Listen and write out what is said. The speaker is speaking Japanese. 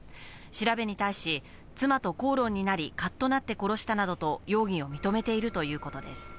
調べに対し、妻と口論になり、かっとなって殺したなどと、容疑を認めているということです。